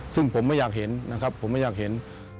ซึ่งผมไม่อยากเห็นนะครับผมไม่อยากเห็น